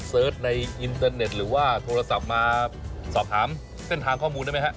เสิร์ชในอินเตอร์เน็ตหรือว่าโทรศัพท์มาสอบถามเส้นทางข้อมูลได้ไหมฮะ